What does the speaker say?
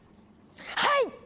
はい！